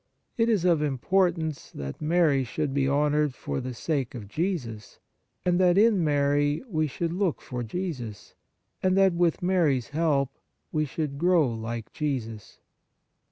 It is of importance that Mary should be honoured for the sake of Jesus, and that in Mary we should look for Jesus, and that, with Mary s help, we should grow like Jesus.